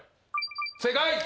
正解。